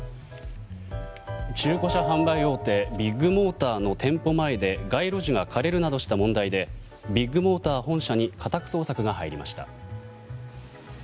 中古車販売大手ビッグモーターの店舗前で街路樹が枯れるなどした問題でビッグモーター本社に家宅捜索が入りました。